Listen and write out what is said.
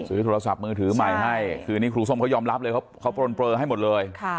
ซื้อมือถือใหม่ให้คุณนี้สมค์ย่อมรับเลยครบครบเปิดเพลย์ให้หมดเลยค่ะ